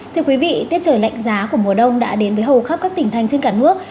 thưa quý vị tiết trời lạnh giá của mùa đông đã đến với hầu khắp các tỉnh thành trên cả nước